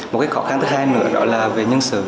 một cái khó khăn thứ hai nữa đó là về nhân sự